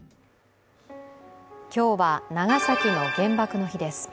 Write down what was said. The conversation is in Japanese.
今日は長崎の原爆の日です。